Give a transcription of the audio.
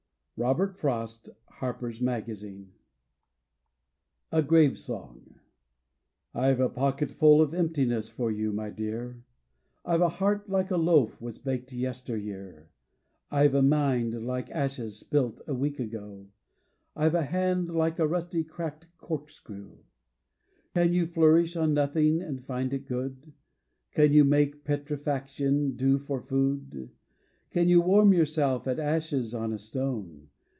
Robert Frost — Harper'* Magaaine A GRAVE SONG I*ve a pocketful of emptiness for you, my Dear. I*ve a heart like a loaf was baked yesteryear, i'TS a mind like ashes spilt a week ago, I're a hand like a rusty, cracked corkscrew. Can you flourish on nothing and flnd it good ? Can you make petrifaction do for food? Can you warm yourself at ashes on a stone?